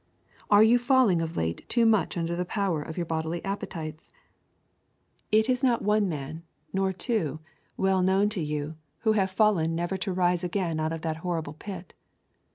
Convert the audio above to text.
Are you falling of late too much under the power of your bodily appetites? It is not one man, nor two, well known to you, who have fallen never to rise again out of that horrible pit.